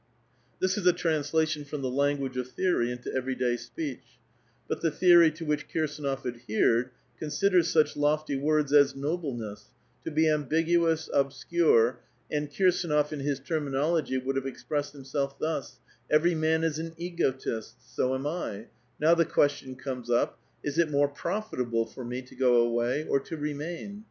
This is a trans lation from the language of theory into every day speech ; but the theory to which Kirsdnof adhered, considers such lofty words as nobleness, to be ambiguous, obscure, and Kirs&nof in his terminology would have expressed himself thus :^^ Every man is an egotist ; so am I ; now the question comes up, ' Is it more profitable for me to go away, or to remain?'